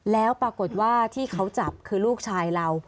แล้วปรากฏว่าที่เขาจับคือลูกชายเรา